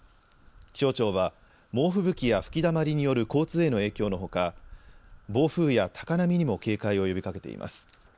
気象庁は猛吹雪や吹きだまりによる交通への影響のほか暴風や高波にも警戒を呼びかけています。